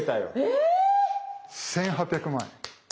え⁉１，８００万円。